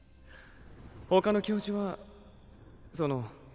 他の教授はその